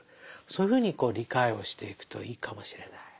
そういうふうに理解をしていくといいかもしれない。